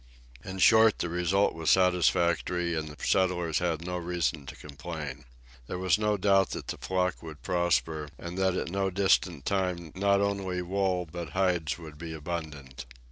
In short, the result was satisfactory, and the settlers had no reason to complain. There was no doubt that the flock would prosper, and that at no distant time not only wool but hides would be abundant.